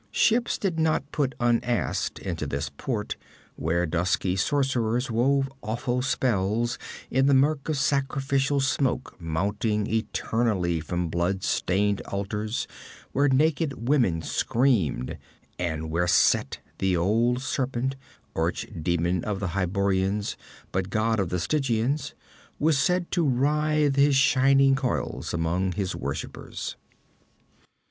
Ships did not put unasked into this port, where dusky sorcerers wove awful spells in the murk of sacrificial smoke mounting eternally from blood stained altars where naked women screamed, and where Set, the Old Serpent, arch demon of the Hyborians but god of the Stygians, was said to writhe his shining coils among his worshippers.